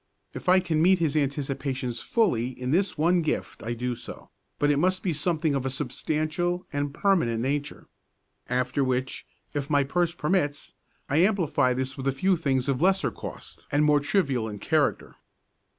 If I can meet his anticipations fully in this one gift I do so; but it must be something of a substantial and permanent nature. After which, if my purse permits, I amplify this with a few things of lesser cost and more trivial in character.